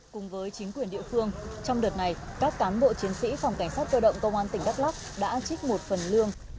cùng với chính quyền địa phương trong đợt này các cán bộ chiến sĩ phòng cảnh sát cơ động công an tỉnh đắk lắk đã trích một phần lương